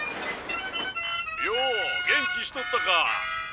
ようげんきしとったか？